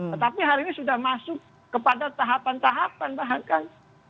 tetapi hari ini sudah masuk kepada tahapan tahapan bahkan